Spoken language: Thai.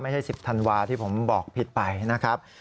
๑๐ธันวาที่ผมบอกผิดไปนะครับ